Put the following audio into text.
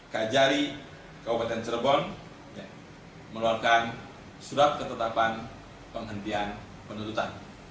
kajari kabupaten cerbon meluarkan surat ketetapan penghentian penuntutan